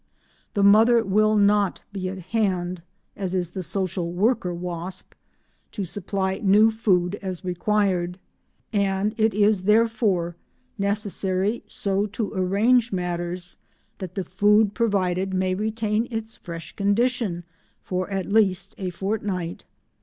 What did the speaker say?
The mother will not be at hand—as is the social worker wasp—to supply new food as required, and it is therefore necessary so to arrange matters that the food provided may retain its fresh condition for at least a fortnight.